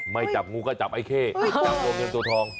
ไม่จับงูก็จับไอ้เคจับโรงเงินตัวทอง